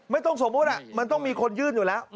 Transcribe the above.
สมมุติมันต้องมีคนยื่นอยู่แล้ว